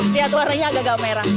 lihat warnanya agak agak merah